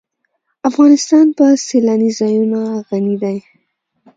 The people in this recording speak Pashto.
افغانستان په سیلانی ځایونه غني دی.